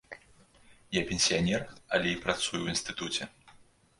Я пенсіянер, але і працую ў інстытуце.